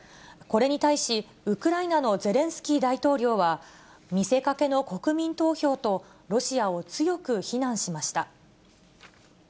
これに対し、ウクライナのゼレンスキー大統領は、見せかけの国民投票と、ロシアを強く非難しました。